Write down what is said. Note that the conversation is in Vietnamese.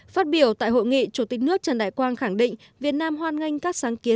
phát biểu tại hội nghị chủ tịch nước trần đại quang khẳng định việt nam hoan nghênh các sáng kiến